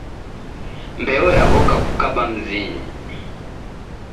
Mbeo yaw'oka kukaba mzinyi